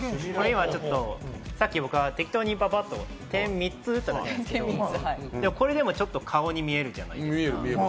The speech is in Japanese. さっき僕、適当にぱぱっと点３つ打っただけなんですけれども、これでもちょっと顔に見えるじゃないですか。